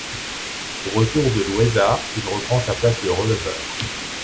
Au retour de Loaiza, il reprend sa place de releveur.